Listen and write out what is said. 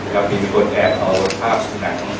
ก็มีคนแอบเอาภาพหนัง